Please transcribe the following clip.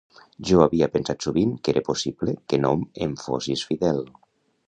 Jo havia pensat sovint que era possible que no em fossis fidel.